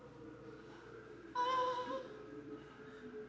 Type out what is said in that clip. ああ。